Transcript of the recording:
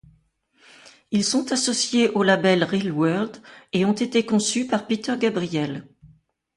Ils sont associés au label Real World, et ont été conçus par Peter Gabriel.